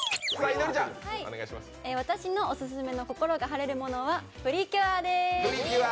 私のオススメの心が晴れるものはプリキュアです。